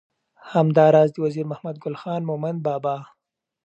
همدا راز د وزیر محمد ګل خان مومند بابا